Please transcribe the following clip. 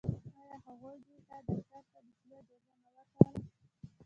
آيا هغوی دې ته ډاکتر ته د تلو اجازه نه ورکوله.